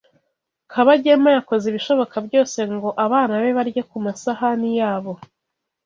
Kabagema yakoze ibishoboka byose ngo abana be barye ku masahani yabo.